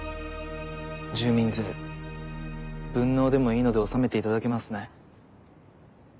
住民税分納でもいいので納めていただけますね？